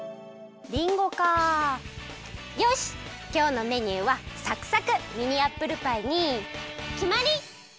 りんごかよしきょうのメニューはサクサクミニアップルパイにきまり！